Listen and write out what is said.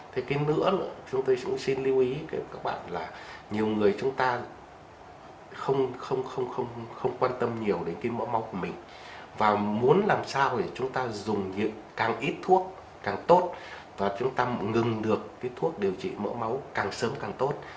thế cái nữa chúng tôi cũng xin lưu ý các bạn là nhiều người chúng ta không quan tâm nhiều đến cái mẫu máu của mình và muốn làm sao để chúng ta dùng càng ít thuốc càng tốt và chúng ta ngừng được cái thuốc điều trị mỡ máu càng sớm càng tốt